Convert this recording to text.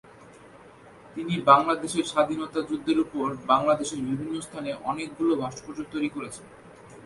তিনি বাংলাদেশের স্বাধীনতা যুদ্ধের উপর বাংলাদেশের বিভিন্ন স্থানে অনেকগুলো ভাস্কর্য তৈরি করেছেন।